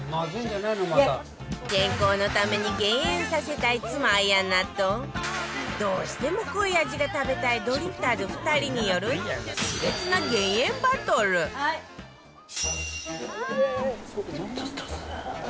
健康のために減塩させたい妻綾菜とどうしても濃い味が食べたいドリフターズ２人による熾烈な減塩バトルあっ入れすぎ！